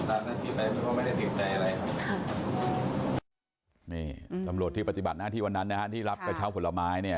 อะไรกับการปฏิบัติหน้าที่วันนั้นที่รับกระเช้าผลไม้เนี่ย